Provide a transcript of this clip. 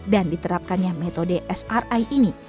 dan diterapkannya metode sri ini